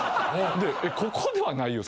でここではないよ